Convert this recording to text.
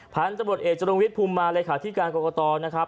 ผ่านจับรวดเอกจรุงวิทธิ์ภูมิมาเลยค่ะที่การกรกตรนะครับ